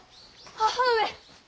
母上！